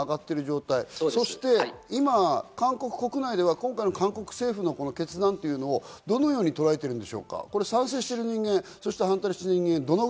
今、韓国国内では今回の韓国政府の決断をどのようにとらえているんでしょうか？